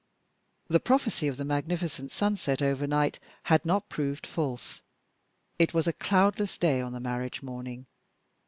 The prophecy of the magnificent sunset overnight had not proved false. It was a cloudless day on the marriage morning.